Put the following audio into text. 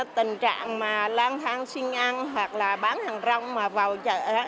tình trạng mà lang thang xin ăn hoặc là bán hàng rong mà vào chợ